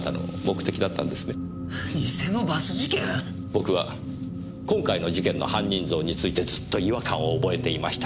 僕は今回の事件の犯人像についてずっと違和感を覚えていました。